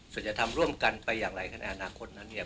ส่วนจะทำร่วมกันไปอย่างไรกันในอนาคตนั้นเนี่ย